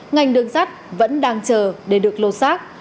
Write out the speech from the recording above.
ngành đường sắt vẫn đang chờ để được lộ xác